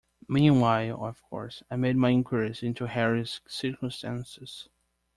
Meanwhile, of course, I made my inquiries into Harry's circumstances.